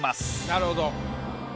なるほど。